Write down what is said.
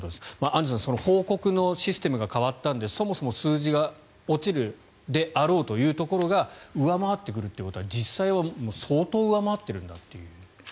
アンジュさん報告のシステムが変わったのでそもそも数字が落ちるであろうというところが上回ってくるということは実際は相当上回っているんだという。